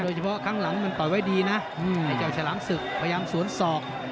เฉพาะครั้งหลังมันต่อยไว้ดีนะไอ้เจ้าฉลามศึกพยายามสวนศอก